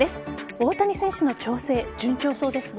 大谷選手の調整、順調そうですね。